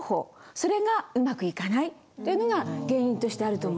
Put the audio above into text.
それがうまくいかないというのが原因としてあると思います。